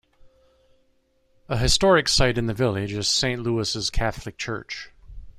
A historic site in the village is Saint Louis' Catholic Church.